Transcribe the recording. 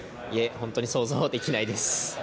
いえ、本当に想像できないです。